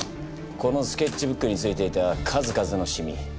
このスケッチブックについていた数々のシミ。